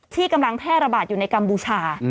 ที่กำลังแพร่ระบาดอยู่ในกัมพูชา